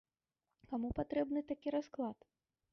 Каму патрэбны такі расклад?